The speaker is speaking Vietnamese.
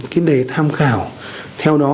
cái đề tham khảo theo đó